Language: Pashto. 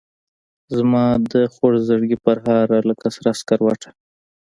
زمادخوږزړګي پرهاره لکه سره سکروټه